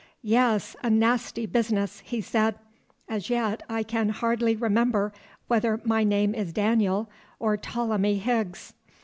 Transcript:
"Yes, a nasty business," he said, "as yet I can hardly remember whether my name is Daniel, or Ptolemy Higgs."